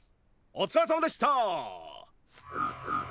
おつかれさまでした！